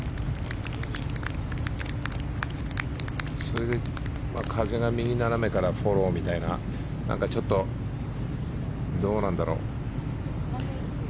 それで風が右斜めからフォローみたいなちょっと、どうなんだろう。